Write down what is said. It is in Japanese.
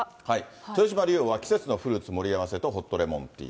豊島竜王は季節のフルーツ盛り合わせとホットレモンティー。